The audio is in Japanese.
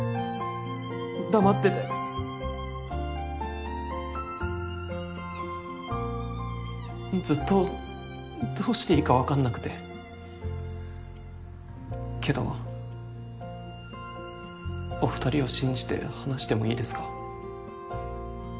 黙っててずっとどうしていいか分かんなくてけどお二人を信じて話してもいいですか？